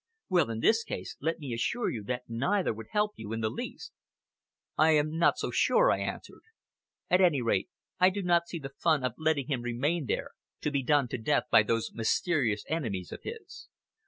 Well, in this case, let me assure you that neither would help you in the least." "I am not so sure," I answered. "At any rate, I do not see the fun of letting him remain there, to be done to death by those mysterious enemies of his."